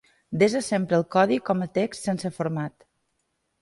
Desa sempre el codi com a text sense format.